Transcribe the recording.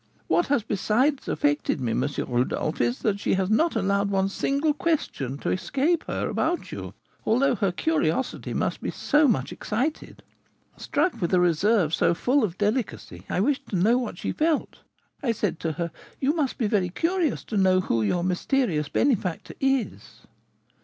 "What has besides affected me, M. Rodolph, is that she has not allowed one single question to escape her about you, although her curiosity must be so much excited. Struck with a reserve so full of delicacy, I wished to know what she felt. I said to her, 'You must be very curious to know who your mysterious benefactor is?'